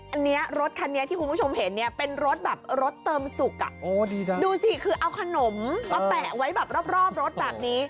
อันนี้รถคันนี้ที่คุณผู้ชมเห็นเนี่ยเป็นรถแบบรถเติมสุกดูสิคือเอาขนมมาแปะไว้แบบรอบรถแบบนี้